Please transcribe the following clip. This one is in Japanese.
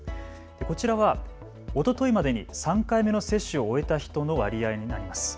こちらはおとといまでに３回目の接種を終えた人の割合になります。